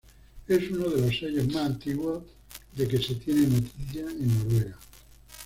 Es uno de los sellos más antiguos de que se tiene noticia en Noruega.